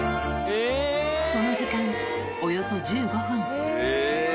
その時間、およそ１５分。